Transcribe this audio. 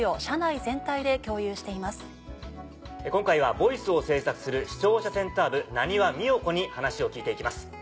今回はＶＯＩＣＥを制作する視聴者センター部難波美緒子に話を聞いていきます。